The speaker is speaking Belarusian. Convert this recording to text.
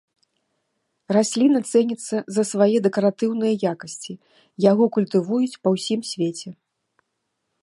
Расліна цэніцца за свае дэкаратыўныя якасці, яго культывуюць па ўсім свеце.